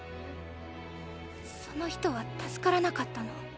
その人は助からなかったの？